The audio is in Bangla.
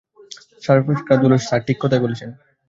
সাফকাত বলল, স্যার ঠিক কথাই বলেছেন।